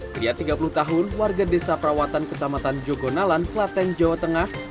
pria tiga puluh tahun warga desa perawatan kecamatan jogonalan klaten jawa tengah